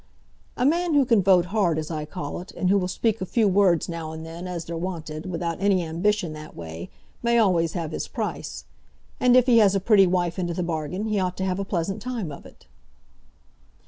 "A man who can vote hard, as I call it; and who will speak a few words now and then as they're wanted, without any ambition that way, may always have his price. And if he has a pretty wife into the bargain, he ought to have a pleasant time of it."